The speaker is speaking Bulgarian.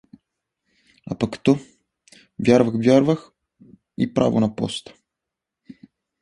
А пък то — вървях, вървях и право на поста!